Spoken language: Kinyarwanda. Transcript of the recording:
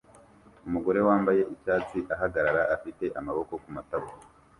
umugore wambaye icyatsi ahagarara afite amaboko kumatako